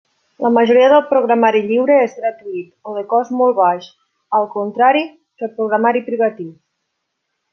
La majoria del programari lliure és gratuït o de cost molt baix, al contrari que el programari privatiu.